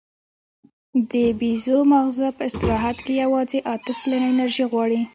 د بیزو ماغزه په استراحت کې یواځې اته سلنه انرژي غواړي.